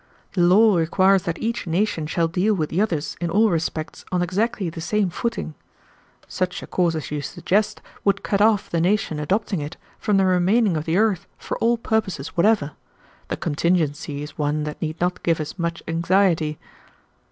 The law requires that each nation shall deal with the others, in all respects, on exactly the same footing. Such a course as you suggest would cut off the nation adopting it from the remainder of the earth for all purposes whatever. The contingency is one that need not give us much anxiety."